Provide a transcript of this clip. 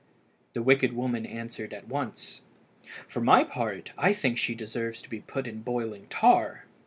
The wicked woman answered at once "For my part, I think she deserves to be put into boiling tar."